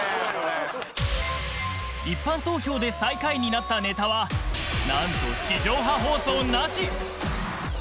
一般投票で最下位になったネタは何と地上波放送なし！